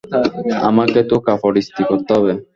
আমাকে তো কাপড় ইস্ত্রি করতে হবে!